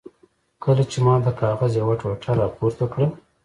کله چې ما د کاغذ یوه ټوټه را پورته کړه.